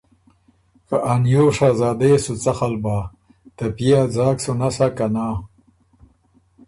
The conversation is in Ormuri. که ا نیوو شهزاده يې سو څخل بۀ، ته پئےا ځاک سُو نسا که نا